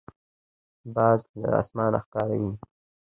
باز له اسمانه ښکار ویني.